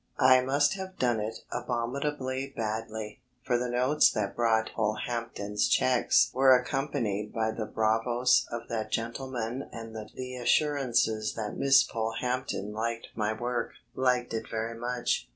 I must have done it abominably badly, for the notes that brought Polehampton's cheques were accompanied by the bravos of that gentleman and the assurances that Miss Polehampton liked my work liked it very much.